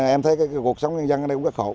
em thấy cuộc sống nhân dân ở đây cũng rất khổ